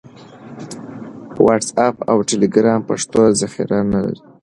واټس اپ او ټیلیګرام پښتو ذخیره نه لري.